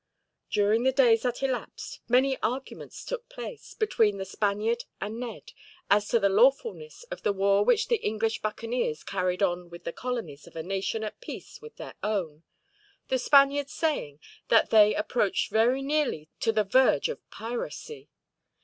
During the days that elapsed, many arguments took place, between the Spaniard and Ned, as to the lawfulness of the war which the English buccaneers carried on with the colonies of a nation at peace with their own, the Spaniard saying that they approached very nearly to the verge of piracy.